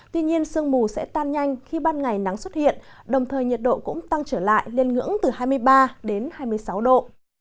tuy nhiên sương mù sẽ tan nhanh khi ban ngày nắng xuất hiện đồng thời nhiệt độ cũng tăng trở lại lên ngưỡng từ hai mươi ba đến hai mươi sáu độ